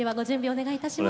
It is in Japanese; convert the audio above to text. お願いいたします。